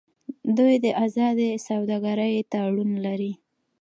دوی د ازادې سوداګرۍ تړون لري.